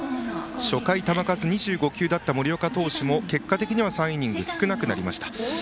初回球数２５球だった森岡投手も結果的には３イニング少なくなりました。